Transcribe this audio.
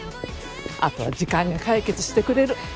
あとは時間が解決してくれる。